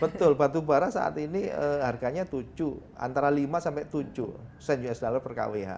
betul batu bara saat ini harganya tujuh antara lima sampai tujuh sen usd per kwh